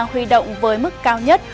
huy động với mức cao nhất